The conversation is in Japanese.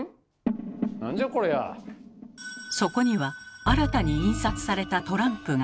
そこには新たに印刷されたトランプが。